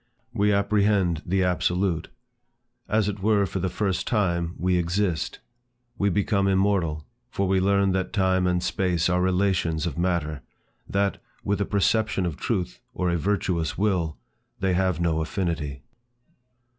We apprehend the absolute. As it were, for the first time, we exist. We become immortal, for we learn that time and space are relations of matter; that, with a perception of truth, or a virtuous will, they have no affinity.